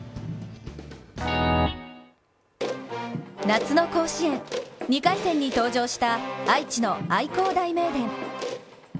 夏の甲子園、２回戦に登場した愛知の愛工大名電。